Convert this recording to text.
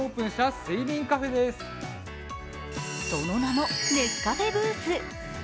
その名も、ネスカフェブース。